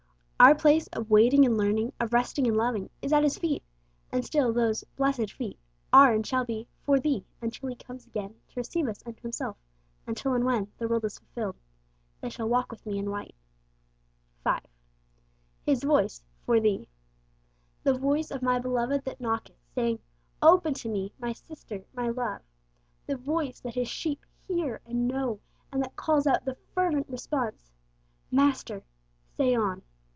Our place of waiting and learning, of resting and loving, is at His feet. And still those 'blessed feet' are and shall be 'for thee,' until He comes again to receive us unto Himself, until and when the word is fulfilled, 'They shall walk with Me in white.' 5. His Voice 'for thee.' The 'Voice of my beloved that knocketh, saying, Open to me, my sister, my love;' the Voice that His sheep 'hear' and 'know,' and that calls out the fervent response, 'Master, say on!'